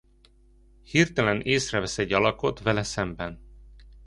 Hirtelen észrevesz egy alakot vele szemben.